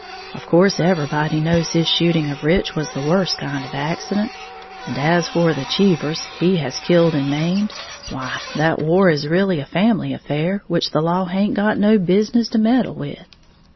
Of course everybody knows his shooting of Rich was the worst kind of accident; and as for the Cheevers he has killed and maimed, why, that war is really a family affair, which the law haint got no business to meddle with.